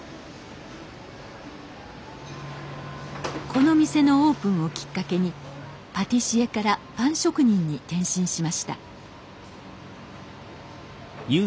この店のオープンをきっかけにパティシエからパン職人に転身しました。